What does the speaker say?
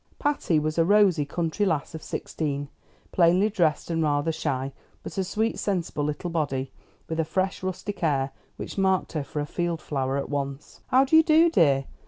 Patty was a rosy, country lass of sixteen, plainly dressed and rather shy, but a sweet, sensible little body, with a fresh, rustic air which marked her for a field flower at once. "How do you do, dear?